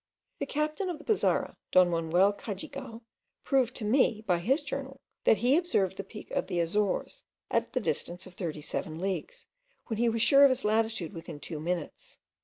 The captain of the Pizarro, Don Manuel Cagigal, proved to me, by his journal, that he observed the peak of the Azores at the distance of 37 leagues, when he was sure of his latitude within two minutes.